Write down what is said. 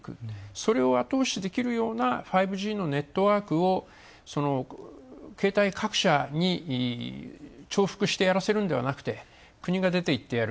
それを後押しできるような５Ｇのネットワークを携帯各社に重複してやらせるんではなくて、国が出ていってやる。